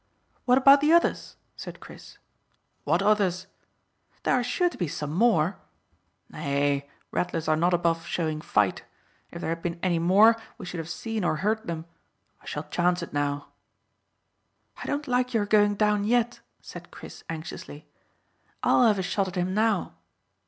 "What about the others?" said Chris. "What others?" "There are sure to be some more." "Nay; rattlers are not above showing fight. If there had been any more we should have seen or heard them. I shall chance it now." "I don't like your going down yet," said Chris anxiously. "I'll have a shot at him now."